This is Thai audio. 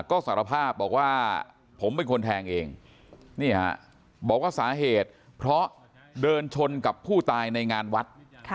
ก็สารภาพบอกว่าผมเป็นคนแทงเองนี่ฮะบอกว่าสาเหตุเพราะเดินชนกับผู้ตายในงานวัด